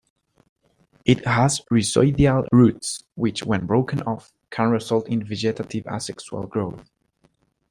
It has rhizoidial roots, which, when broken off, can result in vegetative asexual growth.